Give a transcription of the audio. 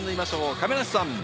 亀梨さん。